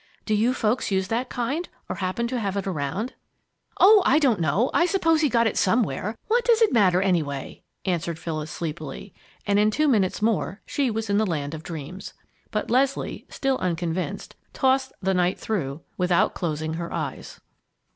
Do you folks use that kind, or happen to have it about?" "Oh, I don't know. I suppose he got it somewhere. What does it matter, anyway?" answered Phyllis, sleepily. And in two minutes more she was in the land of dreams. But Leslie, still unconvinced, tossed the night through without closing her eyes.